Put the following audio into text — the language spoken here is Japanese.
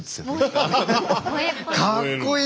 「かっこいい！」